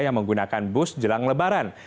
yang menggunakan bus jelang lebaran